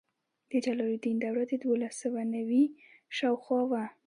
د جلال الدین دوره د دولس سوه نوي شاوخوا وه.